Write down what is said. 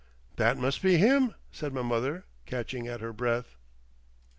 "That must be him," said my mother, catching at her breath.